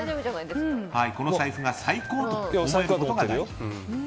この財布が最高と思うことが大事。